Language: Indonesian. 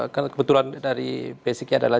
karena kebetulan dari basicnya adalah